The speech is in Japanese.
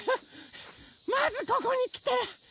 まずここにきて。